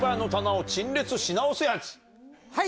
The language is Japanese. はい！